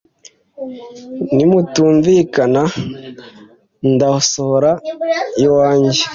nimutumvikana ndasohora iwange?